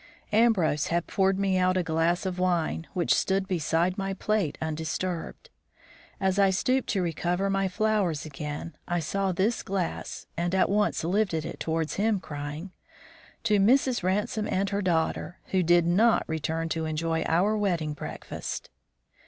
Ambrose had poured me out a glass of wine, which stood beside my plate undisturbed. As I stooped to recover my flowers again, I saw this glass, and at once lifted it towards him, crying: "To Mrs. Ransome and her daughter, who did not return to enjoy our wedding breakfast."